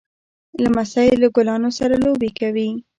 لمسی له ګلانو سره لوبې کوي.